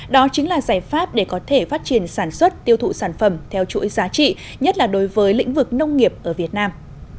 đó chính là giải pháp để có thể phát triển sản xuất tiêu thụ sản phẩm theo chuỗi giá trị nhất là đối với lĩnh vực nông nghiệp ở việt nam